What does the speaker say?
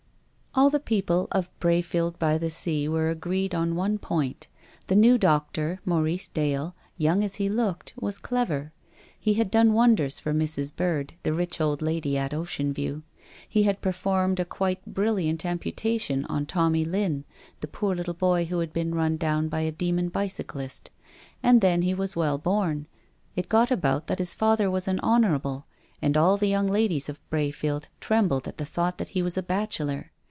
All the people of Brayfield by the sea were agreed on one point. The new doctor, Maurice Dale, young as he looked, was clever. He had done wonders for Mrs. Bird, the rich old lady at Ocean View. He had performed a quite brilliant amputation on Tommy Lync, the poor little boy who had been run down by a demon bicyclist. And then he was well born. It got about that his father was an Honourable, and all the young ladies of Brayfield trembled at the thought that he was a bachelor.